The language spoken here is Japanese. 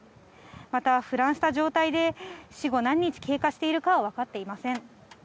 また、腐乱した状態で、死後何日経過しているかは分かっていません。